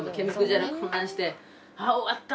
ああ終わった。